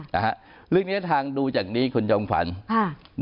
ค่ะนะฮะเรื่องระยะทางดูจากนี้คุณจำขวัญค่ะ